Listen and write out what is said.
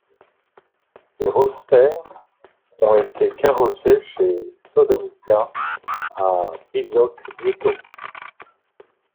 Les Roadster ont été carrossés chez Sodomka à vysoke myto.